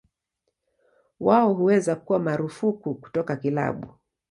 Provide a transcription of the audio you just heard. Wao huweza kuwa marufuku kutoka kilabu.